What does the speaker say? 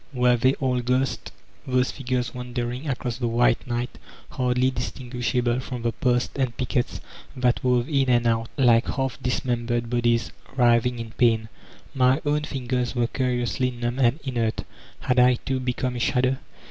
Were they all ghosts, those figures wander ing across the white night, hardly distinguishable from the posts and pickets that wove in and out, like half dismembered bodies writhing in pain? My own fingers were curiously numb and inert; had I, too, become a shadow?